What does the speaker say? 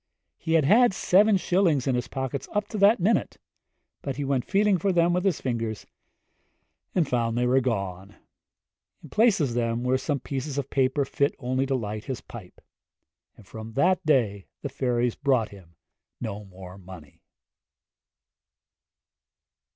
He had had seven shillings in his pockets up to that minute, and he went feeling for them with his fingers, and found they were gone. In place of them were some pieces of paper fit only to light his pipe. And from that day the fairies brought him no more money.